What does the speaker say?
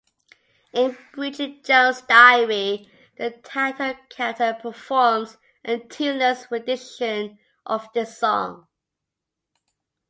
In Bridget Jones' Diary, the title character performs a tuneless rendition of this song.